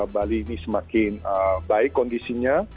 bali ini semakin baik kondisinya